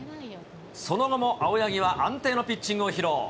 その後も青柳は安定のピッチングを披露。